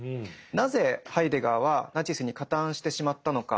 なぜハイデガーはナチスに加担してしまったのか。